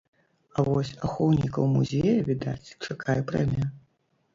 А вось ахоўнікаў музея, відаць, чакае прэмія.